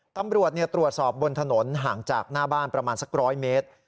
ตำรวจตรวจสอบบนถนนห่างจากหน้าบ้านประมาณสัก๑๐๐เมตร